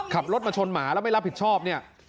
ขับรถมาชนหมาแล้วไม่รับผิดชอบเนี่ย